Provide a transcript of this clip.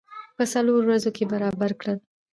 په څلورو ورځو کې برابر کړل.